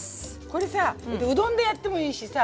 これさうどんでやってもいいしさ。